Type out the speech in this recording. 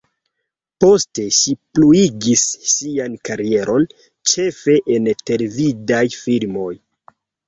Poste, ŝi pluigis sian karieron ĉefe en televidaj filmoj.